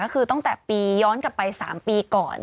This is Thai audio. ก็คือตั้งแต่ปีย้อนกลับไป๓ปีก่อน